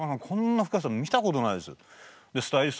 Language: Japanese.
こんな福山さん見たことないですよと。